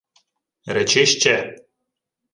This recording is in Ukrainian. — Речи ще.